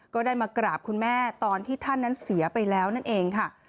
ก็ได้มากราบคุณแม่ตอนที่ท่านนั้นเสียไปแล้วนั่นเองค่ะ